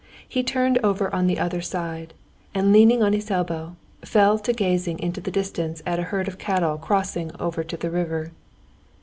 He turned over on the other side, and leaning on his elbow, fell to gazing into the distance at a herd of cattle crossing over to the river.